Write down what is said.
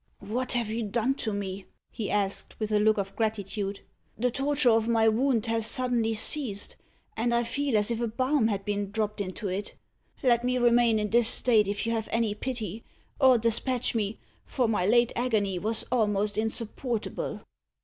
"What have you done to me?" he asked, with a look of gratitude; "the torture of my wound has suddenly ceased, and I feel as if a balm had been dropped into it. Let me remain in this state if you have any pity or despatch me, for my late agony was almost insupportable."